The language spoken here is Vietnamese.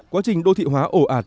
quá trình đô thị hóa ổ ạt